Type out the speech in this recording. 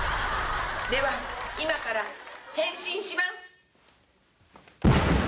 では、今から変身します！